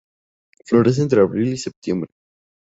Florece entre abril y septiembre.